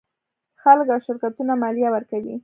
خلک او شرکتونه مالیه ورکوي.